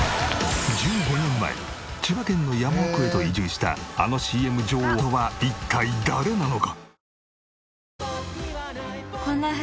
１５年前千葉県の山奥へと移住したあのＣＭ女王とは一体誰なのか？